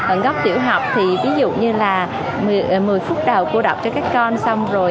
ở góc tiểu học thì ví dụ như là một mươi phút đầu cô đọc cho các con xong rồi